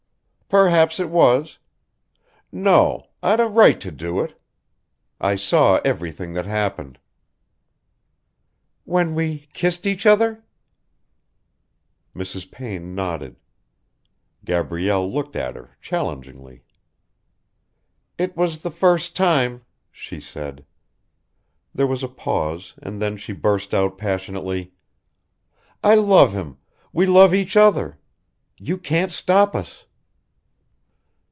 "Perhaps it was. No ... I'd a right to do it. I saw everything that happened." "When we kissed each other?" Mrs. Payne nodded. Gabrielle looked at her challengingly. "It was the first time," she said. There was a pause and then she burst out passionately. "I love him ... we love each other. You can't stop us!"